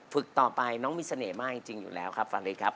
ฝึกต่อไปน้องมีเสน่ห์มากจริงอยู่แล้วครับฟาริครับ